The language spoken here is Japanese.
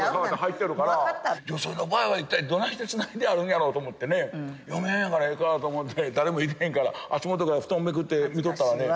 女性の場合はいったいどないしてつないであるんやろうと思って嫁はんやからいいかと思って誰もいてへんから足元から布団めくって見とったらね